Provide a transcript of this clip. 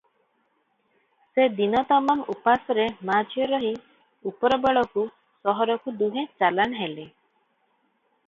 ସେ ଦିନତମାମ ଉପାସରେ ମା'ଝିଅ ରହି ଉପର ବେଳକୁ ସହରକୁ ଦୁହେଁ ଚାଲାଣ ହେଲେ ।